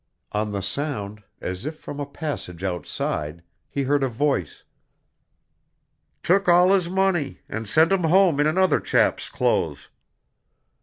On the sound, as if from a passage outside, he heard a voice: "Took all his money, and sent him home in another chap's clothes."